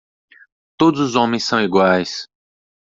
Todos os homens são iguais.